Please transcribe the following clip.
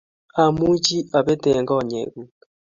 Amuchi apet eng konyekuk